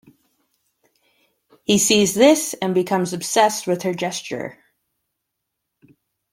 He sees this and becomes obsessed with her gesture.